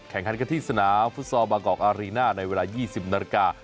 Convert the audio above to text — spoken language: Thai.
แข่งขันกันที่สนามฟุตซอลบางกอกอารีน่าในเวลา๒๐นาฬิกา